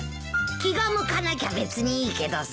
気が向かなきゃ別にいいけどさ。